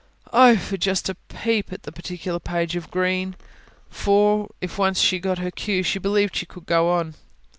Oh, for just a peep at the particular page of Green! For, if once she got her cue, she believed she could go on.